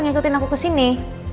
sampai ngikutin aku kesini